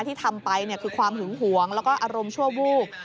ที่ทำไปคือความหึงหวงแล้วก็อารมณ์ชั่ววูบ